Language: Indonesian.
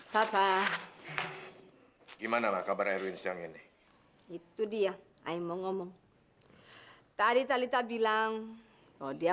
papa gimana kabar air wins yang ini itu dia ayo ngomong tadi tadi tak bilang oh dia